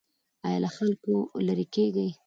ایا له خلکو لرې کیږئ؟